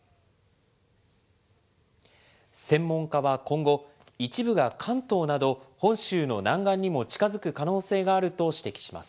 専門家は今後、一部が関東など、本州の南岸にも近づく可能性があると指摘します。